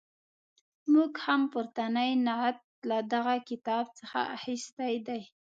موږ هم پورتنی نعت له دغه کتاب څخه اخیستی دی.